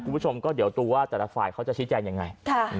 คุณผู้ชมก็เดี๋ยวดูว่าแต่ละฝ่ายเขาจะชี้แจงยังไง